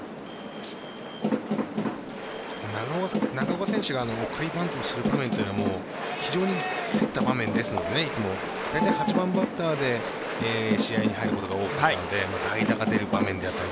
長岡選手が送りバントをする場面というのも非常に競った場面ですのでだいたい８番バッターで試合に入ることが多いので代打が出る場面。